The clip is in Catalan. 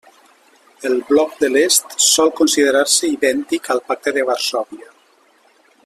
El Bloc de l'Est sol considerar-se idèntic al Pacte de Varsòvia.